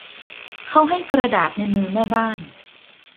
เขาให้กระดาษในมือแม่บ้าน